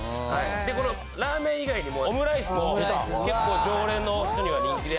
でこのラーメン以外にもオムライスも結構常連の人には人気で。